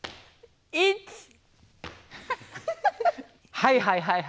はいはいはいはいはい。